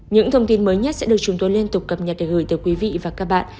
những thông tin mới nhất sẽ được chúng tôi liên tục cập nhật để gửi tới quý vị và các bạn